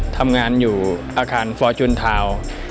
ทำงานอยู่อาคารฟอร์จุนทาวน์